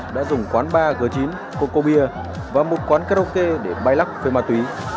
đã dùng quán bar g chín coco beer và một quán karaoke để bay lắc với ma túy